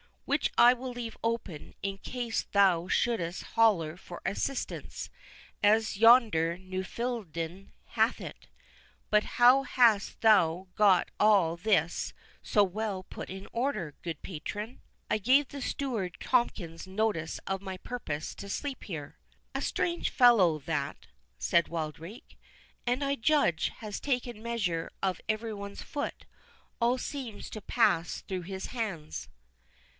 "Which I will leave open, in case thou shouldst holla for assistance, as yonder Nullifidian hath it—But how hast thou got all this so well put in order, good patron?" "I gave the steward Tomkins notice of my purpose to sleep here." "A strange fellow that," said Wildrake, "and, as I judge, has taken measure of every one's foot—all seems to pass through his hands."